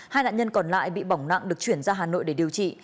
hai nạn nhân còn lại bị bỏng nặng được chuyển ra hà nội để điều trị